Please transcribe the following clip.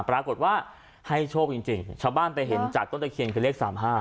ปรากฏว่าให้โชคจริงชาวบ้านไปเห็นจากต้นตะเคียนคือเลข๓๕